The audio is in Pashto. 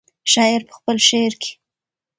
شاعر په خپل شعر کې.